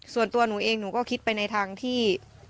ส่วนตัวหนูเองหนูก็คิดไปในทางที่